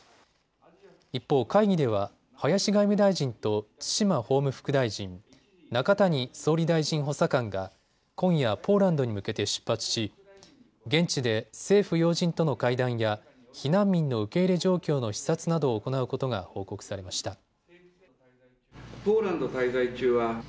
一方、会議では林外務大臣と津島法務副大臣、中谷総理大臣補佐官が今夜、ポーランドに向けて出発し現地で政府要人との会談や避難民の受け入れ状況の視察などを行うことが報告されました。